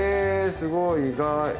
すごい意外。